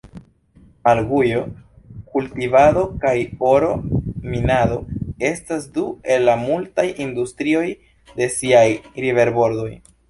Mangujo-kultivado kaj oro-minado estas du el la multaj industrioj de siaj riverbordoj.